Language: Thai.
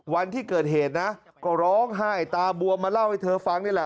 วันที่เกิดเหตุนะก็ร้องไห้ตาบวมมาเล่าให้เธอฟังนี่แหละ